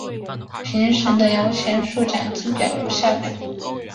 评审的摇钱树奖金表如下表。